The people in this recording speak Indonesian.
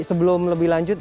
sebelum lebih lanjut